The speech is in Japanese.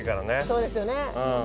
そうですよね